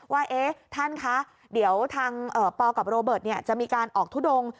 ว่าท่านคะเดี๋ยวทางปกับโรเบิร์ตจะมีการออกทุดง